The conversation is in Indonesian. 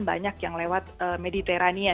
banyak yang lewat mediterania